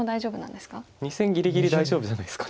２線ぎりぎり大丈夫じゃないですか。